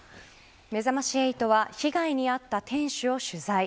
めざまし８は被害に遭った店主を取材。